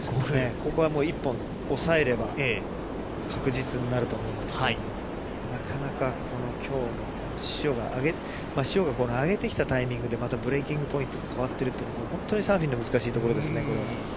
ここはもう１本押さえれば、確実になると思うんですけども、なかなか、きょうのこの潮が、潮が上げてきたタイミングでまたブレイキングポイントが変わってるというのも、本当にサーフィンの難しいところですね。